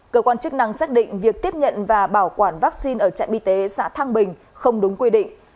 cơ quan chức năng xác định việc tiếp nhận và bảo quản vaccine ở trạm y tế xã thang bình không đúng quy định